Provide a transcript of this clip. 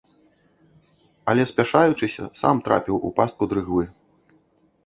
Але, спяшаючыся, сам трапіў у пастку дрыгвы.